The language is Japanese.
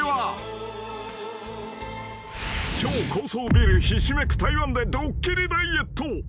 ［超高層ビルひしめく台湾でドッキリダイエット］